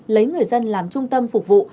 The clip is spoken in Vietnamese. lấy người dân làm trung tâm phục vụ